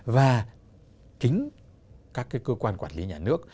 và chính các cơ quan quản lý nhà nước